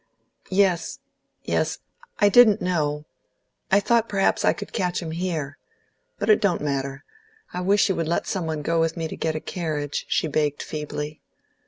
"Yes, yes. I didn't know I thought perhaps I could catch him here. But it don't matter. I wish you would let some one go with me to get a carriage," she begged feebly.